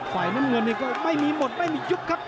ไฟน้ำเหงื่อนนี่ก็ยังไม่มีหมดไม่มียุบครับ